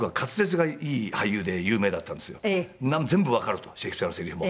全部わかるとシェイクスピアのセリフも。